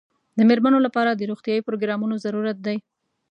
د مېرمنو لپاره د روغتیايي پروګرامونو ضرورت دی.